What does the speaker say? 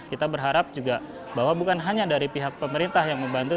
kita berharap juga bahwa bukan hanya dari pihak pemerintah yang membantu